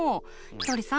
ひとりさん